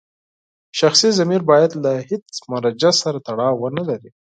شخصي ضمیر باید له هېڅ مرجع سره تړاو ونلري.